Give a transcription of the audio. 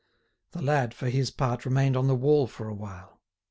The lad for his part remained on the wall for a while.